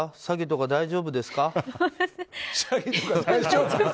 詐欺とか大丈夫ですか？